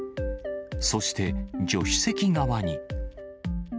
そして、助手席側に。